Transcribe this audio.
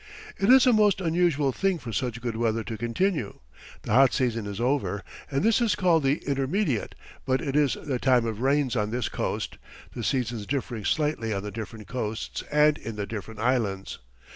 It is a most unusual thing for such good weather to continue. The hot season is over, and this is called the intermediate, but it is the time of rains on this coast, the seasons differing slightly on the different coasts and in the different islands.